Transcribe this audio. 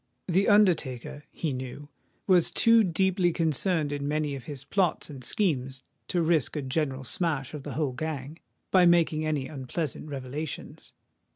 The undertaker, he knew, was too deeply concerned in many of his plots and schemes to risk a general smash of the whole gang, by making any unpleasant revelations.